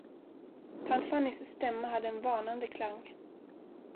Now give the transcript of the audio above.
Tant Fannys stämma hade en varnande klang.